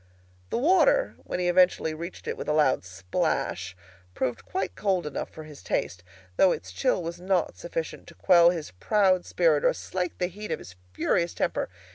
The water, when he eventually reached it with a loud splash, proved quite cold enough for his taste, though its chill was not sufficient to quell his proud spirit, or slake the heat of his furious temper.